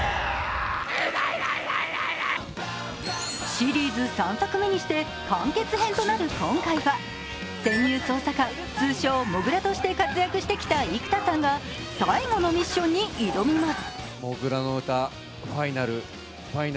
シリーズ３作目にして完結編となる今回は潜入捜査官、通称モグラとして活躍してきた生田さんが最後のミッションに挑みます。